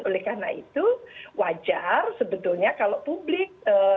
oleh karena itu wajar sebetulnya kalau publik